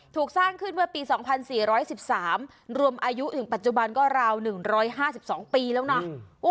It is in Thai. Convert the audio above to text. ถูกสร้างขึ้นเมื่อปี๒๔๑๓รวมอายุถึงปัจจุบันก็ราว๑๕๒ปีแล้วนะ